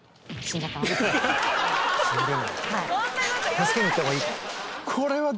助けに行った方がいい？